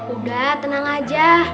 udah tenang aja